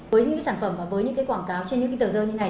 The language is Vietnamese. với những sản phẩm và quảng cáo trên những tờ dơ như thế này